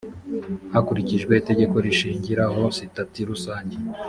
hakurikijwe itegeko rishyiraho sitati rusange